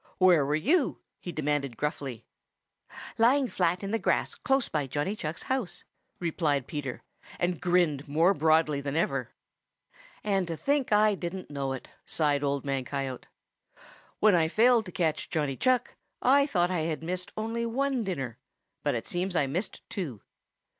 "Where were you?" he demanded gruffly. "Lying flat in the grass close by Johnny Chuck's house," replied Peter, and grinned more broadly than ever. "And to think I didn't know it!" sighed Old Man Coyote. "When I failed to catch Johnny Chuck, I thought I had missed only one dinner, but it seems I missed two.